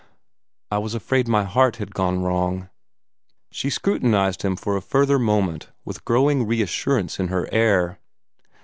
"I was afraid my heart had gone wrong." She scrutinized him for a further moment, with growing reassurance in her air.